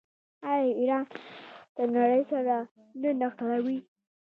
آیا ایران د نړۍ سره نه نښلوي؟